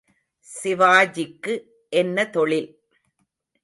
சிவாஜிக்கு என்ன தொழில்?